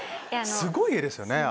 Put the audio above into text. すごい画ですよね！